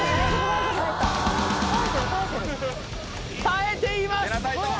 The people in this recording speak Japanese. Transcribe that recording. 耐えています